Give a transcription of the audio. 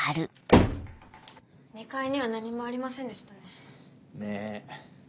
２階には何もありませんでしたね。ねぇ。